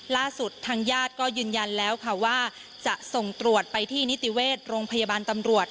ล่าสุดทางญาติก็ยืนยันแล้วค่ะว่าจะส่งตรวจไปที่นิติเวชโรงพยาบาลตำรวจ